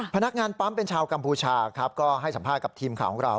พนักงานปั๊มเป็นชาวกัมพูชาครับก็ให้สัมภาษณ์กับทีมข่าวของเรา